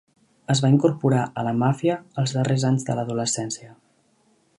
Es va incorporar a la Màfia els darrers anys de l'adolescència.